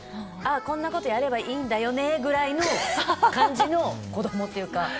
こんなことやればいいんだよねくらいの感じの子供というか。